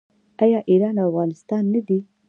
آیا ایران او افغانستان نه دي؟